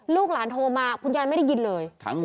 ลูกหลานโทรมาคุณยายไม่ได้ยินเลย